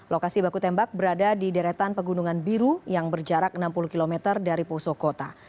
lokasi baku tembak berada di deretan pegunungan biru yang berjarak enam puluh km dari poso kota